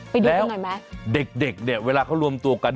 ไปดูกันหน่อยมั้ยแม็กซ์แล้วเด็กเนี่ยเวลาเขารวมตัวกัน